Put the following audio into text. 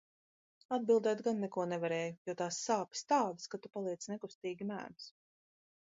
Atbildēt gan neko nevarēju, jo tās sāpes tādas, ka tu paliec nekustīgi mēms.